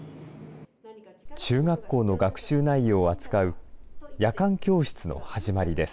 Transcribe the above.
中学校の学習内容を扱う夜間教室の始まります。